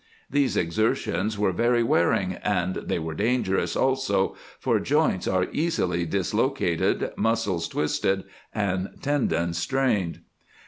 These exertions were very wearing and they were dangerous, also, for joints are easily dislocated, muscles twisted, and tendons strained.